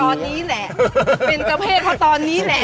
นี่แหละตอนนี้แหละเบนเจอร์เพศเพราะตอนนี้แหละ